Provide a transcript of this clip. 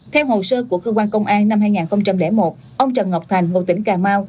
theo hồ sơ của cơ quan công an năm hai nghìn một ông trần ngọc thành ngụ tỉnh cà mau